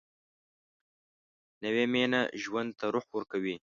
نوې مینه ژوند ته روح ورکوي